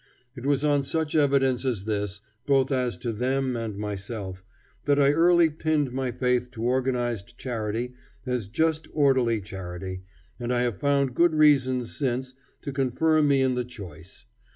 It was on such evidence as this, both as to them and myself, that I early pinned my faith to organized charity as just orderly charity, and I have found good reasons since to confirm me in the choice.